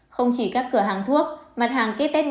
không chỉ các cửa hàng thuốc mặt hàng kit test nhỏ